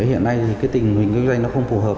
hiện nay thì cái tình hình kinh doanh nó không phù hợp